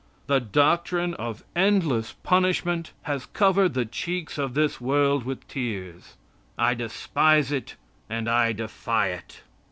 The doctrine of endless punishment has covered the cheeks of this world with tears. I despise it, and I defy it.